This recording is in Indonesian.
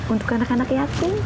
untuk anak anak yatim